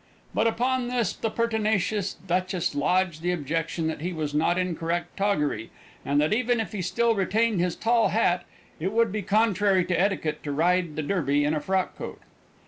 But upon this the pertinacious Duchess lodged the objection that he was not in correct toggery, and that, even if he still retained his tall hat, it would be contrary to etiquette to ride the Derby in a frock coat.